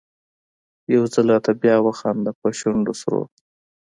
يو ځل راته بیا وخانده په شونډو سرو